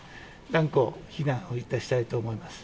断固非難をいたしたいと思います。